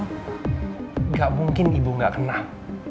enggak mungkin ibu enggak kenal